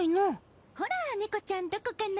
ほら猫ちゃんどこかな？